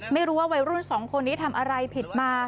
ไม่รู้ว่าวัยรุ่นสองคนนี้ทำอะไรผิดมา